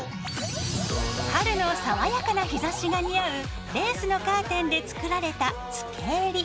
春の爽やかな日ざしが似合うレースのカーテンで作られた付けえり。